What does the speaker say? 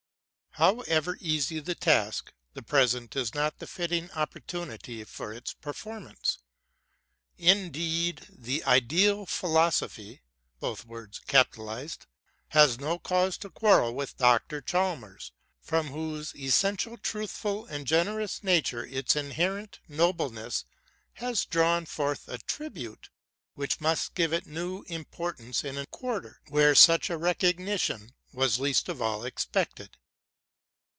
However easy the task, the present is not the fitting op portunity for its performance. Indeed the Ideal Philosophy has no cause to quarrel with Dr. Chalmers, from whose ntially truthful and generous nature its inherent no bleneaa has drawn forth a tribute which must give it new importance in a quarter where such a recognition was least of all expected.